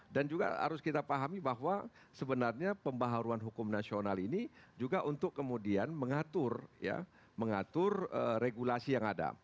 dan juga harus kita pahami bahwa sebenarnya pembaruan hukum nasional ini juga untuk kemudian mengatur regulasi yang ada